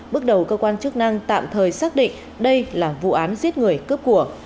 bước đầu cơ quan chức năng tạm thời xác định đây là vụ án giết người cướp của